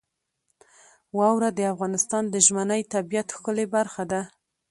واوره د افغانستان د ژمنۍ طبیعت ښکلې برخه ده.